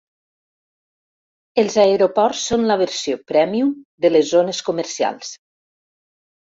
Els aeroports són la versió prèmium de les zones comercials.